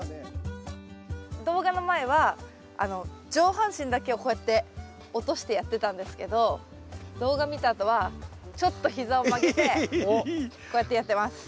動画の前は上半身だけをこうやって落としてやってたんですけど動画見たあとはちょっと膝を曲げてこうやってやってます。